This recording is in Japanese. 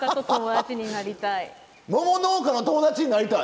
桃農家の友達になりたい？